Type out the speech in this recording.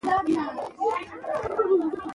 ناهیلي د ماتې لومړی ګام دی.